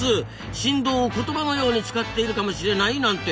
振動を言葉のように使っているかもしれないなんて。